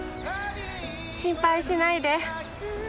心配しないで。